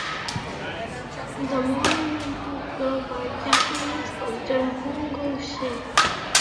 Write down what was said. The monument was built by Japanese sculptor Hongo Shin.